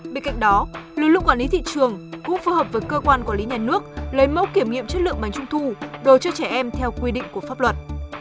bên cạnh đó lực lượng quản lý thị trường cũng phối hợp với cơ quan quản lý nhà nước lấy mẫu kiểm nghiệm chất lượng bánh trung thu đồ chơi trẻ em theo quy định của pháp luật